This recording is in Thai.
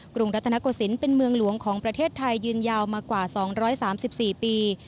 รุงรัฐนโกศิลป์เป็นเมืองหลวงของประเทศไทยยืนยาวมากว่า๒๓๔ปี